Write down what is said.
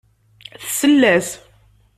Tsell-as.